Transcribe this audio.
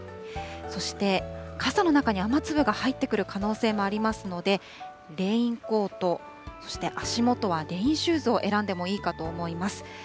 そして傘の中に雨粒が入ってくる可能性もありますので、レインコート、そして足元はレインシューズを選んでもいいかと思います。